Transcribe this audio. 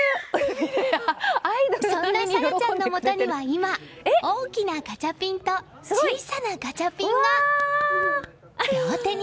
そんな紗空ちゃんのもとには今、大きなガチャピンと小さなガチャピンが。